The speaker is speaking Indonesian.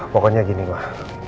pokoknya gini lah